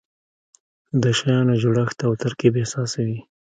د شیانو جوړښت او ترکیب احساسوي.